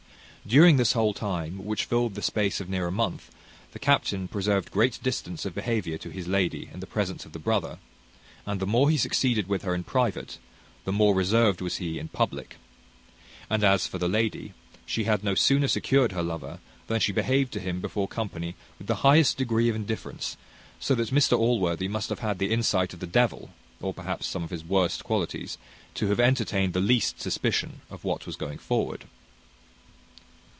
During this whole time, which filled the space of near a month, the captain preserved great distance of behaviour to his lady in the presence of the brother; and the more he succeeded with her in private, the more reserved was he in public. And as for the lady, she had no sooner secured her lover than she behaved to him before company with the highest degree of indifference; so that Mr Allworthy must have had the insight of the devil (or perhaps some of his worse qualities) to have entertained the least suspicion of what was going forward.